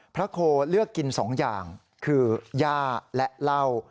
พระโคเลือกกิน๒อย่างคือย่าและเหล้า